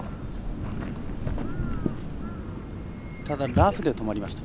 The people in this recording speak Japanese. ラフで止まりました。